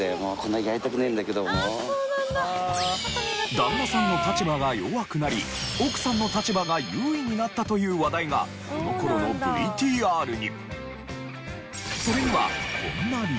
旦那さんの立場が弱くなり奥さんの立場が優位になったという話題がこの頃のＶＴＲに。